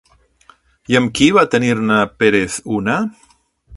I amb qui va tenir-ne Pérez una?